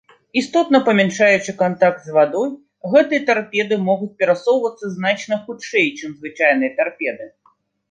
Істотна памяншаючы кантакт з вадой, гэтыя тарпеды могуць перасоўвацца значна хутчэй, чым звычайныя тарпеды.